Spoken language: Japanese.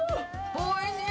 おいしい！